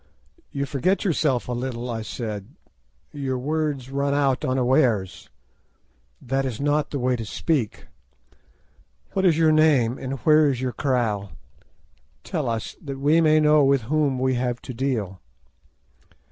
"You forget yourself a little," I said. "Your words run out unawares. That is not the way to speak. What is your name, and where is your kraal? Tell us, that we may know with whom we have to deal."